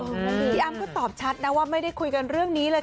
พี่อ้ำก็ตอบชัดนะว่าไม่ได้คุยกันเรื่องนี้เลยค่ะ